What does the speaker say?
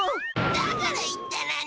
だから言ったのに。